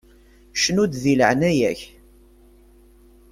Cnu-d di leɛnaya-k!